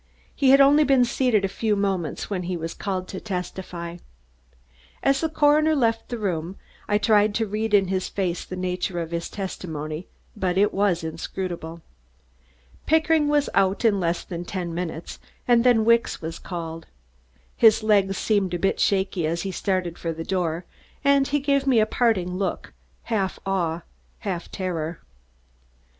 He had only been seated a few moments when he was called to testify. As the coroner left the room, I tried to read in his face the nature of his testimony, but it was inscrutable. Pickering was out in less than ten minutes, and then Wicks was called. His legs seemed a bit shaky as he started for the door and he gave me a parting look, half awe, half terror.